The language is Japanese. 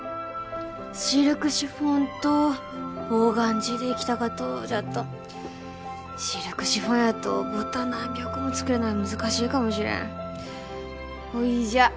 シルクシフォンとオーガンジーでいきたかとじゃっどんシルクシフォンやとボタン何百個も付けるのは難しいかもしれんほいじゃ